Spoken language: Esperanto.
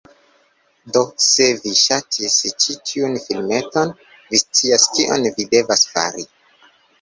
Do se vi ŝatis ĉi tiun filmeton, vi scias kion vi devas fari: